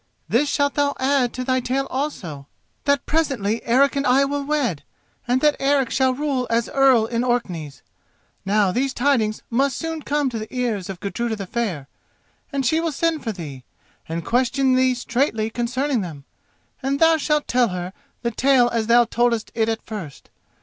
This shalt thou add to thy tale also, that presently Eric and I will wed, and that Eric shall rule as Earl in Orkneys. Now these tidings must soon come to the ears of Gudruda the Fair, and she will send for thee, and question thee straightly concerning them, and thou shalt tell her the tale as thou toldest it at first.